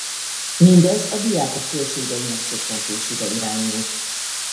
Mindez a diákok költségeinek csökkentésére irányult.